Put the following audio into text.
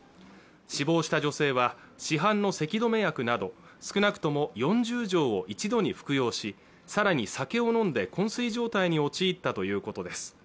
死亡した女性は市販のせき止め薬など少なくとも４０錠を一度に服用しさらに酒を飲んで昏睡状態に陥ったということです